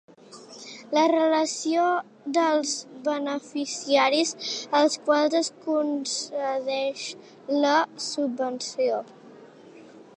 La relació dels beneficiaris als quals es concedeix la subvenció.